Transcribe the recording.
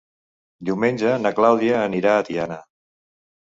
Diumenge na Clàudia anirà a Tiana.